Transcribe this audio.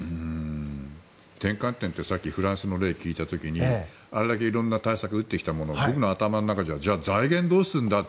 転換点って、さっきフランスの例を聞いた時にあれだけ色んな対策を打ってきたものの僕の頭の中じゃじゃあ、財源どうするんだって